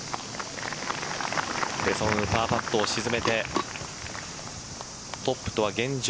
ペ・ソンウ、パーパットを沈めてトップとは現状